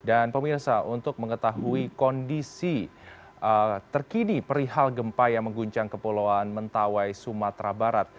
dan pemirsa untuk mengetahui kondisi terkini perihal gempa yang mengguncang ke pulauan mentawai sumatera barat